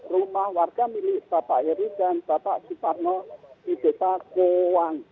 rumah warga milik bapak heri dan bapak suparno di desa kowang